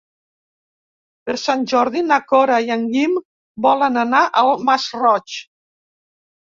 Per Sant Jordi na Cora i en Guim volen anar al Masroig.